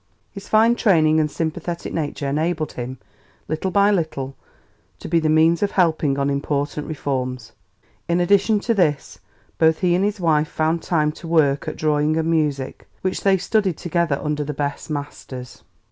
His fine training and sympathetic nature enabled him, little by little, to be the means of helping on important reforms. In addition to this, both he and his wife found time to work at drawing and music, which they studied together under the best masters.